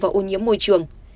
và ô nhiễm môi trường